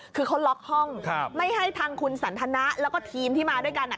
คือเขาล็อกห้องไม่ให้ทางคุณสันทนะแล้วก็ทีมที่มาด้วยกัน